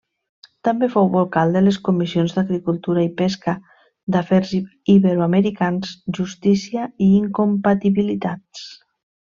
També fou vocal de les comissions d'Agricultura i Pesca, d'Afers Iberoamericans, Justícia i Incompatibilitats.